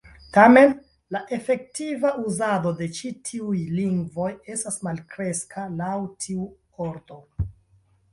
Tamen, la efektiva uzado de ĉi tiuj lingvoj estas malkreska laŭ tiu ordo.